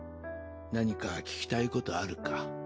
何か聞きたいことあるか？